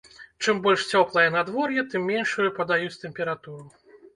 Чым больш цёплае надвор'е, тым меншую падаюць тэмпературу.